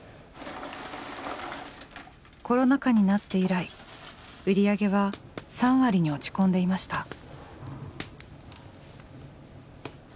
コロナ禍になって以来売り上げは３割に落ち込んでいました。